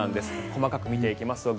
細かく見ていきますと